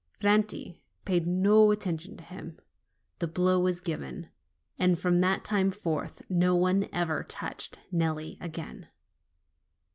Franti paid no attention to him ; the blow was given : and from that time forth no one ever touched Nelli again.